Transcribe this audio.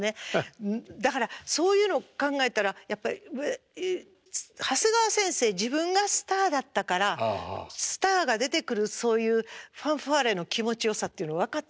だからそういうのを考えたらやっぱり長谷川先生自分がスターだったからスターが出てくるそういうファンファーレの気持ちよさっていうの分かってて宝塚にも。